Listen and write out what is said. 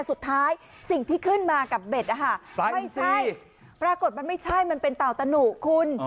สิ่งที่ขึ้นมากับเบ็ดนะคะไม่ใช่ปรากฏมันไม่ใช่มันเป็นเต่าตะหนุคุณ